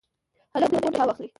هلک له مور نه الهام اخلي.